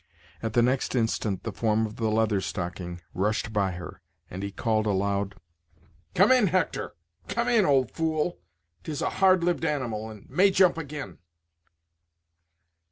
At the next instant the form of the Leather Stocking rushed by her, and he called aloud: "Come in, Hector! come in, old fool; 'tis a hard lived animal, and may jump agin."